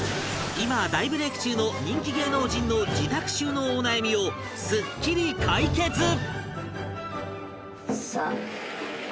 今、大ブレイク中の人気芸能人の自宅収納お悩みをすっきり解決男性：さあ。